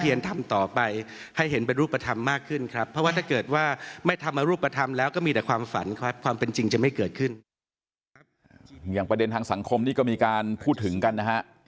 อย่างประเด็นทางสังคมนี่ก็มีการพูดถึงกันนะฮะ